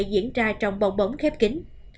điều đó sẽ diễn ra trong bong bóng khép kính